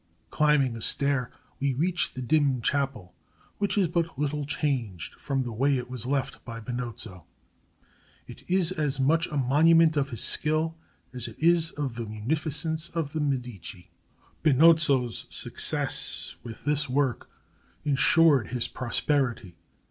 Climbing a stair, we reach the dim chapel, which is but little changed from the way it was left by Benozzo. It is as much a monument of his skill as it is of the munificence of the Medici. Benozzo's success with this work insured his prosperity.